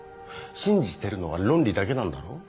信じてるのは論理だけなんだろ？